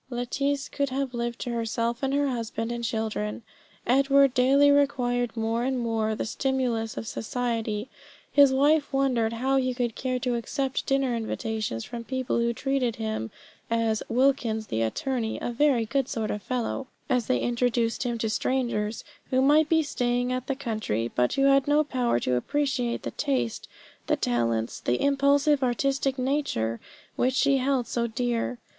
Lettice could have lived to herself and her husband and children. Edward daily required more and more the stimulus of society. His wife wondered how he could care to accept dinner invitations from people who treated him as "Wilkins the attorney, a very good sort of fellow," as they introduced him to strangers who might be staying in the country, but who had no power to appreciate the taste, the talents, the impulsive artistic nature which she held so dear.